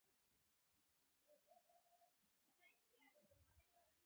یو وخت د مشرقي د اعلی حکومت په نامه یادېده.